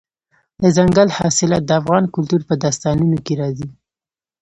دځنګل حاصلات د افغان کلتور په داستانونو کې راځي.